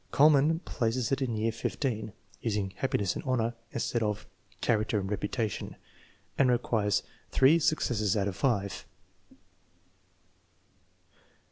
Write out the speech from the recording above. Kuhlmann places it in year XV, using " happiness and honor " instead of our " character and reputation," and requires three successes out of five.